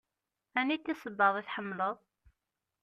Aniti sebbaḍ i tḥemmleḍ?